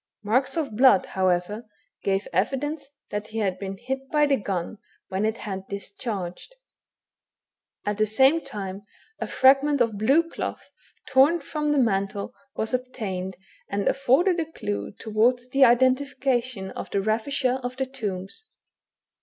Marks of blood, however, gave evidence that he had been hit by the gun when it had discharged. At the same time, a fragment of blue cloth, torn from the mantle, was obtained, and afforded a clue towards the identification of the ravisher of the tombs.